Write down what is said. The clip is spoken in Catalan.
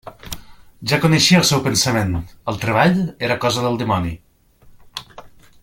Ja coneixia el seu pensament: el treball era cosa del dimoni.